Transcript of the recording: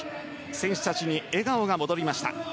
選手たちに笑顔が戻りました。